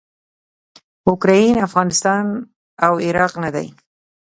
اوکراین افغانستان او عراق نه دي.